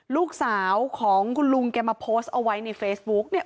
ลูกสาวของคุณลุงแกมาโพสต์เอาไว้ในเฟซบุ๊กเนี่ย